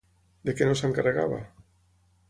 De què no s'encarregava?